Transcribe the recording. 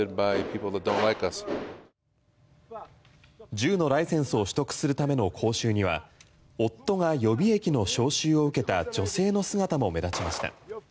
銃のライセンスを取得するための講習には夫が予備役の招集を受けた女性の姿も目立ちました。